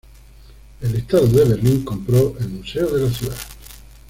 El estado de Berlín compró el Museo de la ciudad.